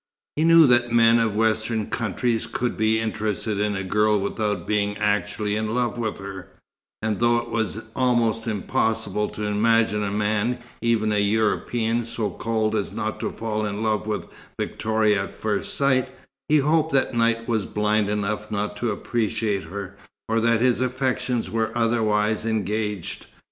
He knew that men of Western countries could be interested in a girl without being actually in love with her; and though it was almost impossible to imagine a man, even a European, so cold as not to fall in love with Victoria at first sight, he hoped that Knight was blind enough not to appreciate her, or that his affections were otherwise engaged.